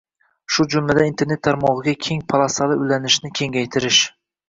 shu jumladan, Internet tarmog'iga keng polosali ulanishni kengaytirish